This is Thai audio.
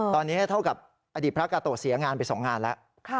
ตอนนี้เท่ากับอดีตพระกาโตเสียงานไป๒งานแล้ว